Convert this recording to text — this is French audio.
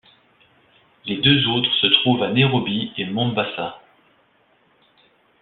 Les deux autres se trouvent à Nairobi et Mombasa.